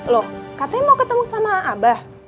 loh katanya mau ketemu sama abah